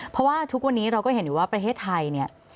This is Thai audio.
เพราะว่าทุกวันนี้เราก็เห็นอยู่ว่าประเทศไทยเนี่ย